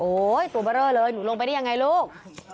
ตัวเบอร์เลอร์เลยหนูลงไปได้ยังไงลูก